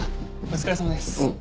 お疲れさまです。